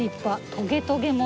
トゲトゲも。